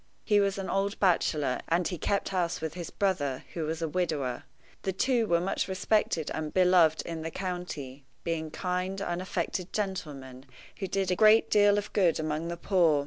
He was an old bachelor, and he kept house with his brother, who was a widower. The two were much respected and beloved in the county, being kind, unaffected gentlemen, who did a great deal of good among the poor.